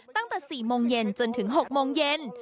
ตั้งแต่๔โมงเย็นจนถึง๖โมงเย็น